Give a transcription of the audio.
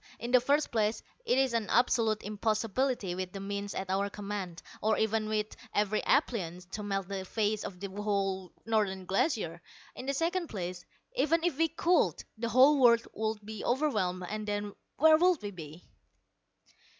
In the first place it is an absolute impossibility with the means at our command, or even with every appliance, to melt the face of the whole Northern Glacier. In the second place, even if we could, the whole world would be overwhelmed, and then where would we be?"